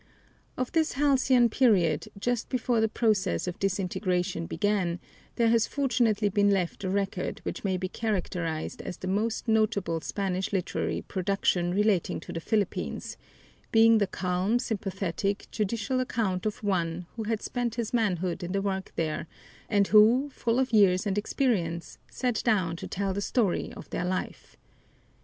Of this halcyon period, just before the process of disintegration began, there has fortunately been left a record which may be characterized as the most notable Spanish literary production relating to the Philippines, being the calm, sympathetic, judicial account of one who had spent his manhood in the work there and who, full of years and experience, sat down to tell the story of their life.